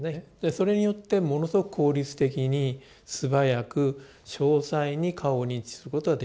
それによってものすごく効率的に素早く詳細に顔を認知することができると。